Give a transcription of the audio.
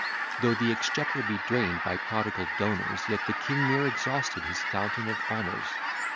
Though the exchequer be drain'd by prodigal donors, Yet the king ne'er exhausted his fountain of honours.